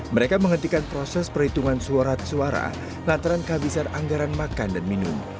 mereka menghentikan proses perhitungan suara suara lantaran kehabisan anggaran makan dan minum